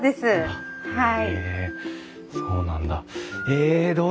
あっはい。